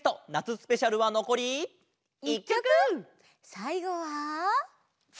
さいごは。